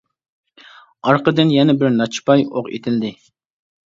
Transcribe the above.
ئارقىدىن يەنە بىر نەچچە پاي ئوق ئېتىلدى.